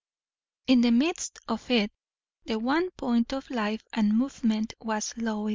In the midst of it, the one point of life and movement was Lois.